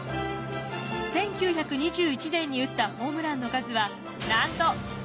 １９２１年に打ったホームランの数はなんと５９本。